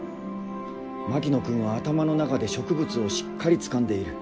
槙野君は頭の中で植物をしっかりつかんでいる。